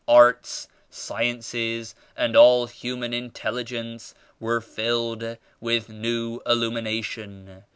Arts, Sciences and all human intelligence were filled with new illumination.